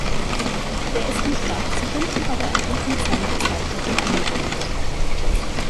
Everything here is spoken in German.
Der ist nicht da, sie finden aber ein Buch mit seinen gezeichneten Erinnerungen.